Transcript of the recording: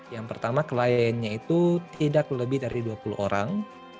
yang pertama kliennya itu tidak lebih dari dua puluh orang